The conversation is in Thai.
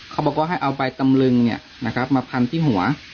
เขาบอกว่าให้เอาใบตำรึงเนี่ยนะครับมาพันที่หัว